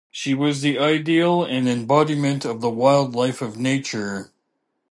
She was the ideal and embodiment of the wild life of nature.